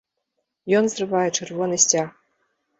Ён зрывае чырвоны сцяг.